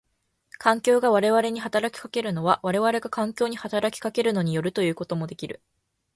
環境が我々に働きかけるのは我々が環境に働きかけるのに依るということもできる。